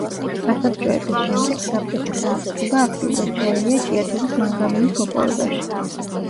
გასაბჭოების შემდეგ, საბჭოთა ხელისუფლება აქტიურად ჩაერია ჭიათურის მანგანუმის მოპოვებაში.